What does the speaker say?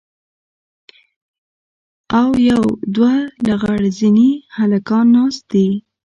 او يو دوه لغړ زني هلکان ناست دي.